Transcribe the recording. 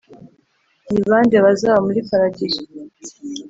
Ni ba nde bazaba muri paradizo?